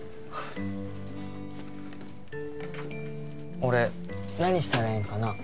俺何したらええんかな？